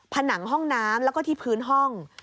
ผนังห้องน้ำแล้วก็ที่พื้นห้อง